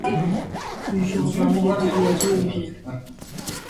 Plusieurs variétés d'oiseaux y vivent.